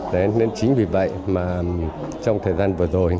đấy nên chính vì vậy mà trong thời gian vừa rồi